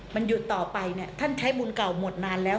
มันหยุดต่อไปเนี่ยท่านใช้บุญเก่าหมดนานแล้ว